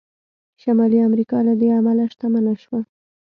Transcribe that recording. شمالي امریکا له دې امله شتمنه شوه.